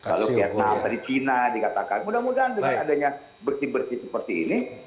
kalau di china dikatakan mudah mudahan dengan adanya bersih bersih seperti ini